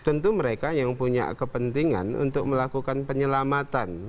tentu mereka yang punya kepentingan untuk melakukan penyelamatan